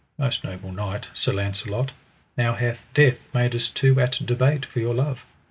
Most noble knight, Sir Launcelot, now hath death made us two at debate for your love.